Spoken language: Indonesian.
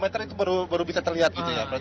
dua meter itu baru bisa terlihat gitu ya